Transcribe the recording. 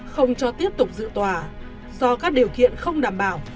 không cho tiếp tục dự tòa do các điều kiện không đảm bảo